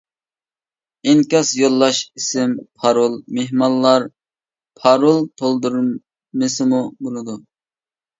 ئىنكاس يوللاش ئىسىم: پارول: مېھمانلار پارول تولدۇرمىسىمۇ بولىدۇ.